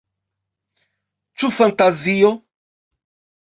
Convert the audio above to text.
Ĉu fantazio?